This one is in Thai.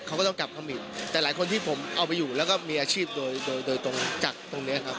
เขาก็ต้องกลับเข้ามาอีกแต่หลายคนที่ผมเอาไปอยู่แล้วก็มีอาชีพโดยโดยตรงจากตรงเนี้ยครับ